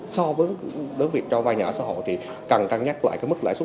so với việc cho vai nhà ở xã hội thì cần cân nhắc lại mức lãi suất